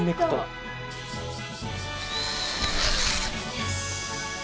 よし。